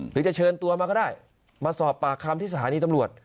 หรือจะเชิญตัวมาก็ได้มาสอบปากคำที่สถานีตำรวจ